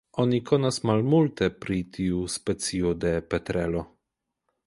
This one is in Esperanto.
Oni konas malmulte pri tiu specio de petrelo.